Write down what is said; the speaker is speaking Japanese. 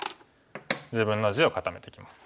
自分の地を固めてきます。